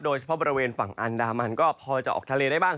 โดยเฉพาะบริเวณฝั่งอันดามันก็พอจะออกทะเลได้บ้าง